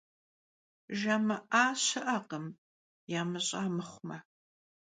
Jjamı'a şı'ekhım, yamış'a mıxhume.